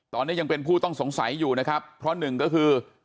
ตอนนี้ยังเป็นผู้ต้องสงสัยอยู่นะครับเพราะหนึ่งก็คือ